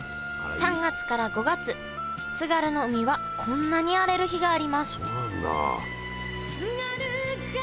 ３月から５月津軽の海はこんなに荒れる日がありますそうなんだ。